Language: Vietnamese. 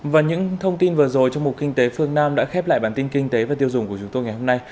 và những thông tin vừa rồi trong mục kinh tế phương nam đã khép lại bản tin kinh tế và tiêu dùng của chúng tôi ngày hôm nay